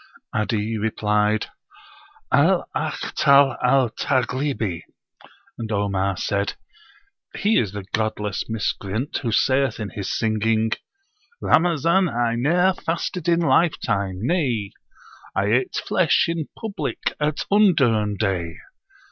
'Adi replied, "Al Akhtal al Taghlibi." And Omar said, "He is the [godless] miscreant who saith in his singing: 'Ramazan I ne'er fasted in lifetime; nay I ate flesh in public at undurn day!